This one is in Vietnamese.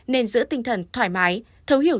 nên giữ tinh thần thoải mái thấu hiểu